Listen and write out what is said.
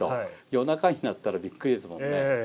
夜中に鳴ったらびっくりですもんね。